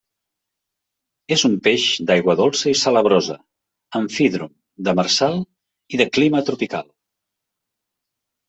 És un peix d'aigua dolça i salabrosa, amfídrom, demersal i de clima tropical.